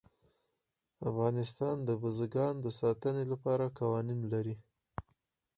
افغانستان د بزګان د ساتنې لپاره قوانین لري.